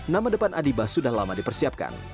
nama depan adibah sudah lama dipersiapkan